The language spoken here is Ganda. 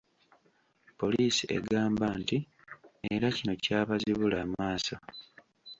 Poliisi egamba nti era kino kyabazibula amaaso.